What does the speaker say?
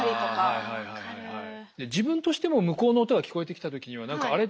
自分としても向こうの音が聞こえてきた時には何か「あれ？